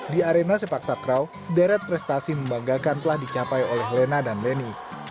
di arena sepak takraw sederet prestasi membanggakan telah dicapai oleh lena dan leni